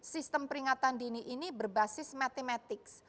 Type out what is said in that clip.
sistem peringatan dini ini berbasis matematics